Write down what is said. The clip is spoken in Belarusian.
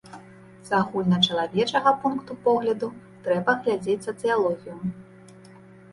З агульначалавечага пункту погляду, трэба глядзець сацыялогію.